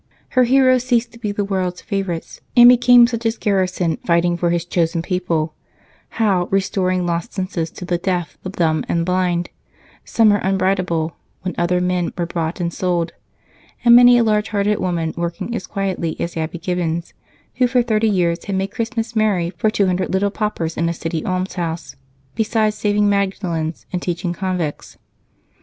Her heroes ceased to be the world's favorites and became such as Garrison fighting for his chosen people; Howe restoring lost senses to the deaf, the dumb, and blind; Sumner unbribable, when other men were bought and sold and many a large hearted woman working as quietly as Abby Gibbons, who for thirty years had made Christmas merry for two hundred little paupers in a city almshouse, besides saving Magdalens and teaching convicts.